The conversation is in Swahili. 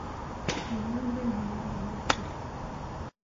Unyonge au udhaifu